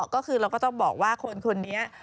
ก็คือเราก็ต้องบอกว่าคนนี้